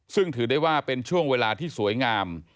ซึ่งถือได้ว่าเป็นช่วงเวลาที่สวยงาม